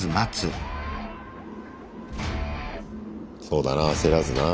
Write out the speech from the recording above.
そうだな焦らずな。